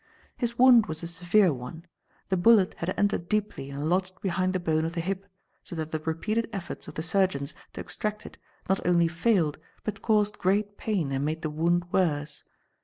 "His wound was a severe one. The bullet had entered deeply and lodged behind the bone of the hip, so that the repeated efforts of the surgeons to extract it not only failed but caused great pain and made the wound worse.